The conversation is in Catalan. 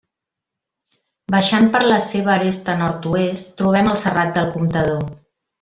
Baixant per la seva aresta nord-oest trobem el Serrat del Comptador.